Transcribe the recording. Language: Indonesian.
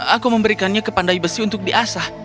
aku memberikannya ke pandai besi untuk diasah